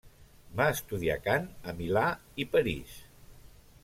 Va estudiar cant a Milà i París.